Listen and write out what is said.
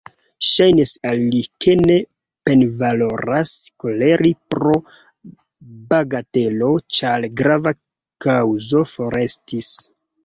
Ŝajnis al li, ke ne penvaloras koleri pro bagatelo, ĉar grava kaŭzo forestis.